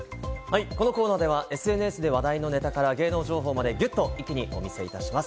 このコーナーではＳＮＳで話題のネタから芸能情報まで、ギュっ一挙にお見せしていきます。